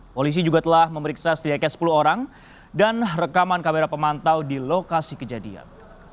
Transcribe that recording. polisi juga telah memeriksa sedikitnya sepuluh orang dan rekaman kamera pemantau di lokasi kejadian